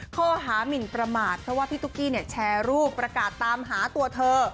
ข้อหามินประมาทเพราะว่าพี่ตุ๊กกี้แชร์รูปประกาศตามหาตัวเธอ